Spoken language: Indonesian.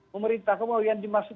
pemerintah kemauian dimaksud